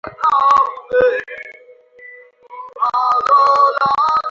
চিন্তিত হয়ে নিজের শোয়ার ঘরের দরজা ভেজিয়ে দিয়ে আবার বেরিয়ে আসেন।